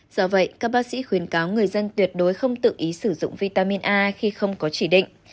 do vậy các bác sĩ khuyến cáo người dân tuyệt đối không tự ý sử dụng vitamin a khi không có chỉ định